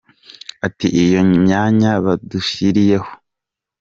Ati Iyo myanya badushyiriyeho.